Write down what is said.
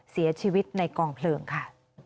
เสียชีวิตในกองเพลิงค่ะ